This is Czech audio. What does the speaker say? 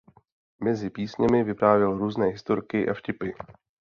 Mezi písněmi vyprávěl různé historky a vtipy.